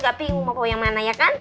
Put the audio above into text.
gak bingung mau bawa yang mana ya kan